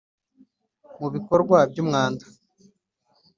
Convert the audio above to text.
Mu bikorwa by umwanda